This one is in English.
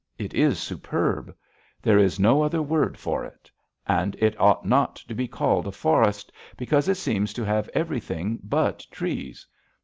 It is superb. There is no other word for it. And it ought not to be called a forest, because it seems to have everything but trees.